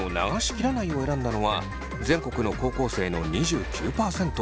切らないを選んだのは全国の高校生の２９％。